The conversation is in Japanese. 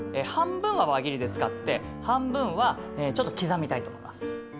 半分は輪切りで使って半分はちょっと刻みたいと思います。